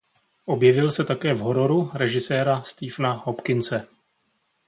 Objevil se také v hororu režiséra Stephena Hopkinse.